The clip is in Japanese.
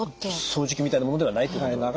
掃除機みたいなものではないってことですね？